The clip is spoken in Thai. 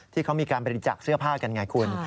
ที่เขามีการบริจาคเสื้อผ้ากันไงคุณ